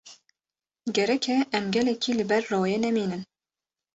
Gerek e em gelekî li ber royê nemînin.